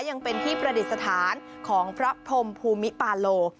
ยังเป็นที่ประดิษฐานของพระพรมภูมิปาโล